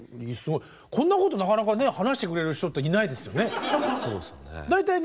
こんなことなかなかね話してくれる人っていないですよね。